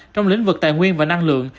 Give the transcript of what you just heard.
trong lĩnh vực tài nguyên và năng lượng